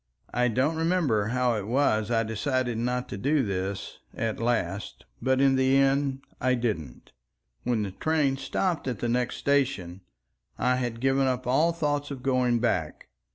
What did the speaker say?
I don't remember how it was I decided not to do this, at last, but in the end I didn't. When the train stopped at the next station I had given up all thoughts of going back.